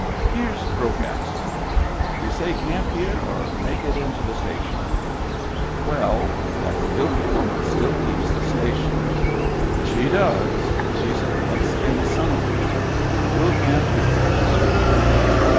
" Here's Broke Axle. D' y'u say camp here, or make it in to the station ?"" Well, if that filthy woman still keeps the sta tion— "" She does. She's a buck skinned son of a gun. We'll camp here. Professor."